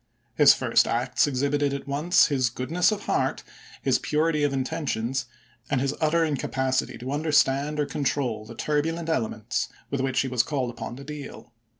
His first acts exhibited at once his goodness of heart, his purity of intentions, and his utter incapacity to understand or control the tur bulent elements with which he was called upon to deal.